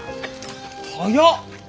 早っ！